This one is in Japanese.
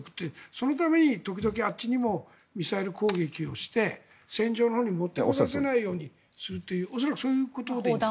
そのために時々あっちにもミサイル攻撃をして戦場のほうに持ってこさせないようにするという恐らくそういうことでいいんですよね。